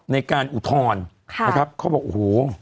อุทธรณ์นะครับเขาบอกโอ้โห